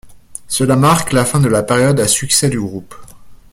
Cela marque la fin de la période à succès du groupe.